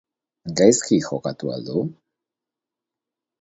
Gaizki jokatu al du?